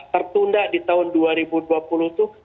tertunda di tahun dua ribu dua puluh itu